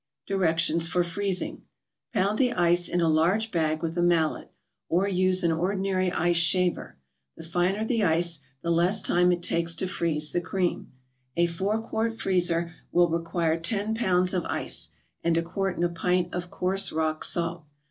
DIRECTIONS FOR FREEZING Pound the ice in a large bag with a mallet, or use an ordinary ice shaver. The finer the ice, the less time it takes to freeze the cream. A four quart freezer will require ten pounds of ice, and a quart and a pint of coarse rock salt.